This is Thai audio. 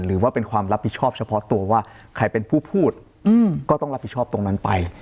หรือว่าเป็นความรับผิดชอบเฉพาะตัวว่าใครเป็นผู้พูดก็ต้องรับผิดชอบตรงนั้นไป